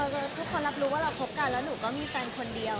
ก็ทุกคนรับรู้ว่าเราคบกันแล้วหนูก็มีแฟนคนเดียว